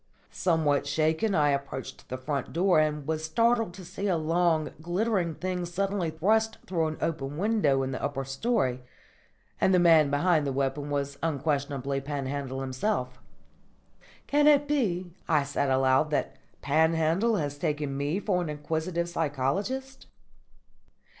_" Somewhat shaken I approached the front door and was startled to see a long, glittering thing suddenly thrust through an open window in the upper storey; and the man behind the weapon was unquestionably Panhandle himself. "Can it be," I said aloud, "that Panhandle has taken me for an inquisitive psychologist?"